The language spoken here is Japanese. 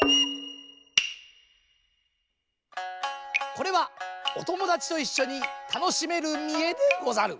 これはおともだちといっしょにたのしめる見得でござる。